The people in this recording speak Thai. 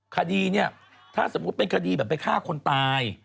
คดีเนี่ยถ้าสมมุติเป็นคดีแบบไปฆ่าคนตาย